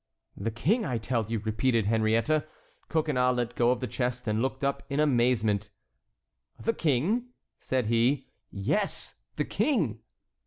"The King, I tell you," repeated Henriette. Coconnas let go of the chest and looked up in amazement. "The King?" said he. "Yes, the King."